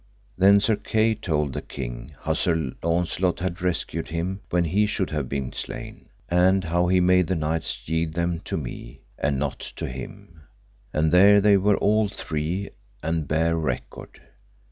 Then Sir Kay told the king how Sir Launcelot had rescued him when he should have been slain, and how he made the knights yield them to me, and not to him. And there they were all three, and bare record.